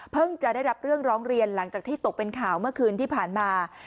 จะได้รับเรื่องร้องเรียนหลังจากที่ตกเป็นข่าวเมื่อคืนที่ผ่านมา